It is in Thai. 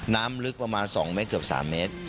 น้ำลึกประมาณ๒เมตรเกือบ๓เมตร